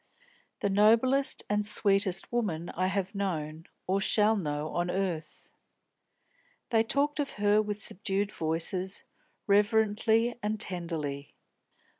The noblest and sweetest woman I have known, or shall know, on earth." They talked of her with subdued voices, reverently and tenderly.